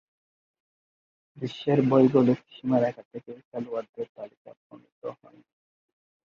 বিশ্বের ভৌগোলিক সীমারেখা থেকে খেলোয়াড়দের তালিকা প্রণীত হয়নি।